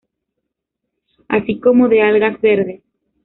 Así como de algas verdes.